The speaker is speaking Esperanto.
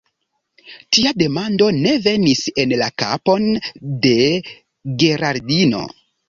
Tia demando ne venis en la kapon de Geraldino: